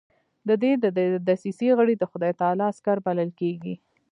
د دې دسیسې غړي د خدای تعالی عسکر بلل کېدل.